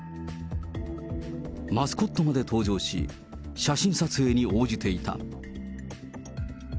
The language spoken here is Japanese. マスコットまで登場し、写真撮影に応じていた。